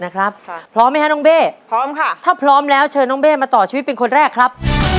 ก็พร้อมแล้วเชิญหน้งเบ่มาต่อชีวิตเป็นคนแรกครับ